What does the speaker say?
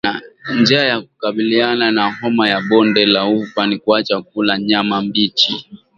Njia ya kukabiliana na homa ya bonde la ufa ni kuacha kula nyama mbichi